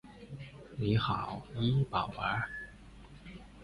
能看的进去一分钟就是神人